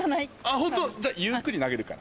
ホント？じゃあゆっくり投げるから。